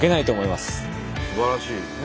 すばらしいですね。